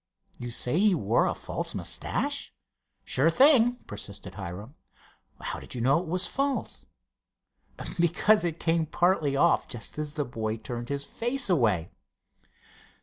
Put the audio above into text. "You say he wore a false mustache?" "Sure thing," persisted Hiram. "How did you know it was false?" "Because it came partly off just as the boy turned his face away.